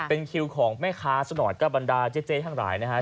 เป็นคิวของแม่ค้าสักหน่อยก็บรรดาเจ๊ทั้งหลายนะฮะ